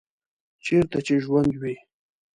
چیرته چې ژوند وي